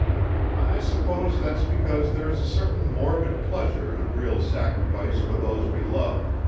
I suppose that's because there is a certain morbid pleasure in a real sacrifice for those we love.